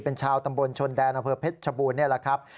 เป็นชาวตำบลชนแดนอำเภอเพชรชบูรณนี่แหละครับ